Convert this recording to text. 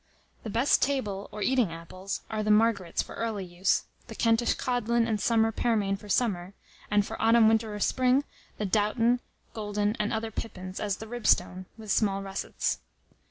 The best table, or eating apples, are the Margarets for early use; the Kentish codlin and summer pearmain for summer; and for autumn, winter, or spring, the Dowton, golden and other pippins, as the ribstone, with small russets.